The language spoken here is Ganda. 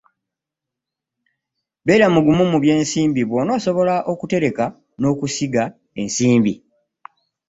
Beera mugumu mu by’ensimbi lw’onoosobola okutereka n’okusiga ensimbi